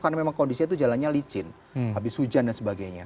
karena memang kondisinya itu jalannya licin habis hujan dan sebagainya